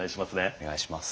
お願いします。